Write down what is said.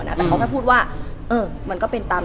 เหมือนนางก็เริ่มรู้แล้วเหมือนนางก็เริ่มรู้แล้ว